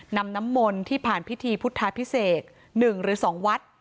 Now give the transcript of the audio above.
นำน้ำมนต์ที่ผ่านพิธีพุทธาพิเศษ๑หรือ๒วัด